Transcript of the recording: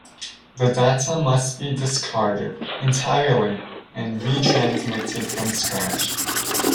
The data must be discarded entirely, and re-transmitted from scratch.